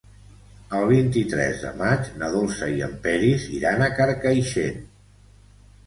El vint-i-tres de maig na Dolça i en Peris iran a Carcaixent.